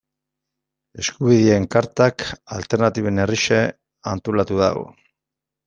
Eskubideen Kartak Alternatiben Herria antolatu du.